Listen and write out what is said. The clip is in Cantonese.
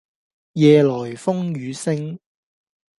夜來風雨聲